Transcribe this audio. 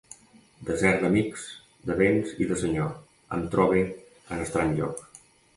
Desert d'amics, de béns i de senyor, em trobe en estrany lloc.